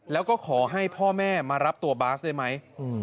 แล้วก็ขอให้พ่อแม่มารับตัวบาสได้ไหม